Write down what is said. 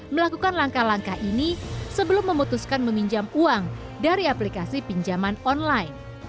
melakukan langkah langkah ini sebelum memutuskan meminjam uang dari aplikasi pinjaman online